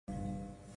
No audio